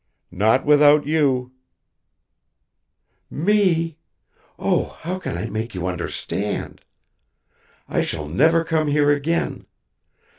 "Not without you." "Me? Oh, how can I make you understand! I shall never come here again.